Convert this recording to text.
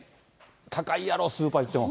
高いやろ、スーパー行っても。